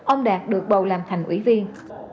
ông đạt được bầu làm thành ủy viên